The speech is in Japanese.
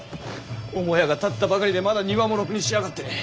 母屋が建ったばかりでまだ庭もろくに仕上がってねぇ。